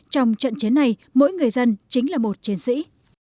trong trận chiến này mỗi người dân chính là một chiến sĩ